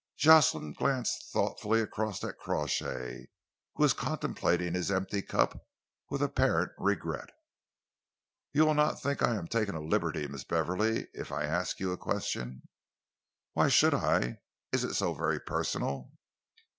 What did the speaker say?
Jocelyn glanced thoughtfully across at Crawshay, who was contemplating his empty cup with apparent regret. "You will not think that I am taking a liberty, Miss Beverley, if I ask you a question?" "Why should I? Is it so very personal?"